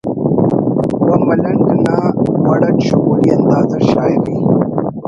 و ملنڈ نا وڑ اٹ شغلی انداز اٹ شاعری